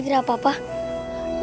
tanam secaya eleh oped